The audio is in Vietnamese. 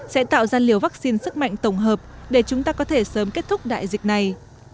sẽ tạo ra liều vaccine sức mạnh tổng hợp để chúng ta có thể sớm kết thúc đại dịch này